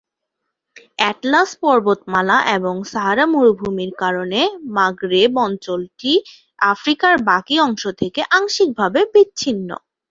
Atlas পর্বতমালা এবং Sahara মরুভূমির কারণে মাগরেব অঞ্চলটি আফ্রিকার বাকী অংশ থেকে আংশিকভাবে বিচ্ছিন্ন।